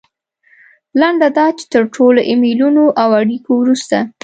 لنډه دا چې تر څو ایمیلونو او اړیکو وروسته.